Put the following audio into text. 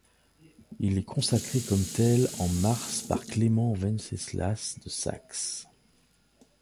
Il est consacré comme tel en mars par Clément Wenceslas de Saxe.